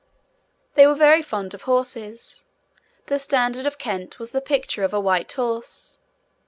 They were very fond of horses. The standard of Kent was the picture of a white horse.